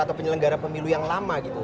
atau penyelenggara pemilu yang lama gitu